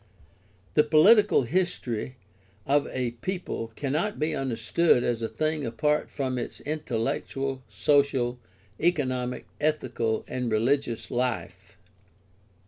The political history of a people cannot be understood as a thing apart from its intel lectual, social, economic, ethical, and religious life.